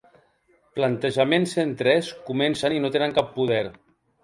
Plantejament cent tres comencen i no tenen cap poder.